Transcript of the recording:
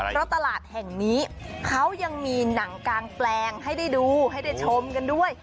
เพราะตลาดแห่งนี้เขายังมีหนังกางแปลงให้ได้ดูให้ได้ชมกันด้วย